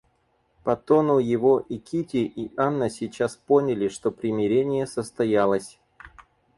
По тону его и Кити и Анна сейчас поняли, что примирение состоялось.